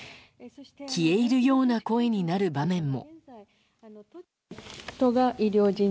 消え入るような声になる場面も。